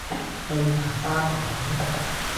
對爸爸講